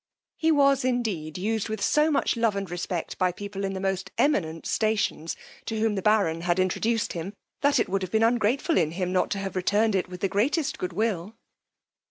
He was indeed used with so much love and respect by people in the most eminent stations, to whom the baron had introduced him, that it would have been ungrateful in him not to have returned it with the greatest good will.